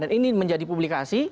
dan ini menjadi publikasi